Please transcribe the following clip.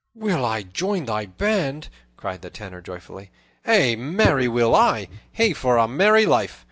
"Will I join thy band?" cried the Tanner joyfully. "Ay, marry, will I! Hey for a merry life!"